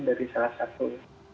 dari salah satu